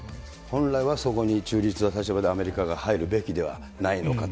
本来はそこに中立な立場でアメリカが入るべきではないのかと。